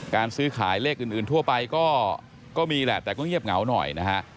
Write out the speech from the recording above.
การซื้อขายเลขอื่นทั่วไปก็มีแหละแต่ก็เงียบเหงาหน่อยนะฮะ